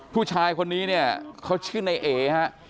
ผู้ชายคนนี้เนี่ยเขาชื่อในเอฮะ